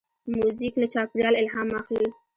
موزیک له چاپېریال الهام اخلي.